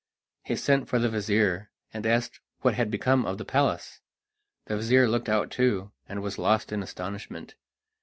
He sent for the vizir, and asked what had become of the palace. The vizir looked out too, and was lost in astonishment.